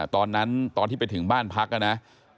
ตอนนั้นตอนที่ไปถึงบ้านพักนะ